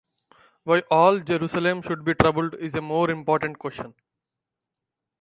Why all Jerusalem should be troubled is a more important question.